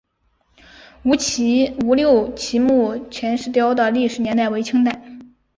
吴六奇墓前石雕的历史年代为清代。